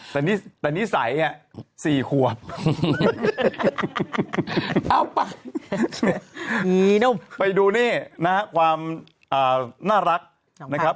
แต่นี่แต่นิสัยอ่ะสี่ขวบเอาป่ะไปดูนี่นะครับความอ่าน่ารักนะครับ